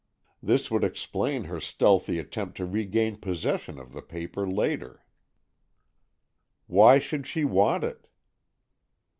This would explain her stealthy attempt to regain possession of the paper later." "Why should she want it?"